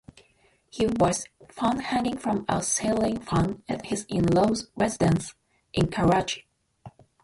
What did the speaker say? He was found hanging from a ceiling fan at his in-laws' residence in Karachi.